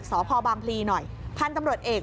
สพบางพลีหน่อยท่านจำรวจเอก